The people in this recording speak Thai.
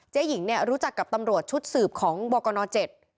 เจ๊หญิงรู้จักกับตำรวจชุดสืบของบอกอน๗